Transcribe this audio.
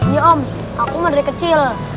ya om aku mah dari kecil